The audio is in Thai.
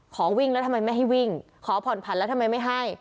ขอวิ่งแล้วทำไมไม่ให้วิ่งขอผ่อนผันแล้วทำไมไม่ให้